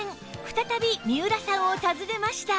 再び三浦さんを訪ねました